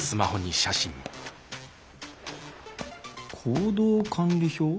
行動管理表？